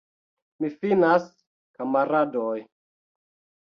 Mi finas, kamaradoj!